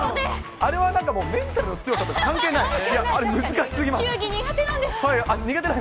あれはなんかもう、メンタルの強さと関係ない。